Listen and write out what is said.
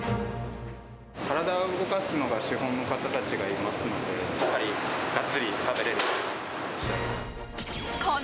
体を動かすのが資本の方たちがいますので、やっぱりがっつり食べれるように。